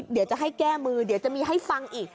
เดี๋ยวจะให้แก้มือเดี๋ยวจะมีให้ฟังอีก